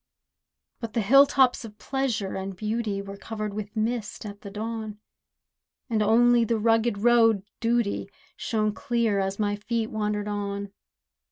But the hill tops of pleasure and beauty Were covered with mist at the dawn; And only the rugged road Duty Shone clear, as my feet wandered on.